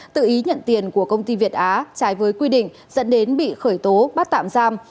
tự ý nhận tiền của công ty việt á trái với quy định dẫn đến bị khởi tố bắt tạm giam